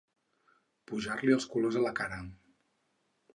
Pujar-li els colors a la cara.